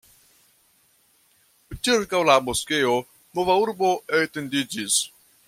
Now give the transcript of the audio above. Ĉirkaŭ la moskeo nova urbo etendiĝis.